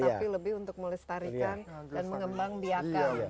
tapi lebih untuk melestarikan dan mengembang biakan